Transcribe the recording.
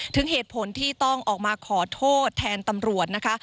ถึงเหตุผลที่ต้องออกมาขอโทษแทนตำรวจนะคะ